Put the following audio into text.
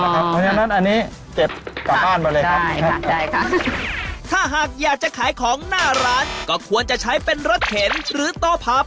เหมือนกันนั้นอันนี้เก็บประการไปเลยครับ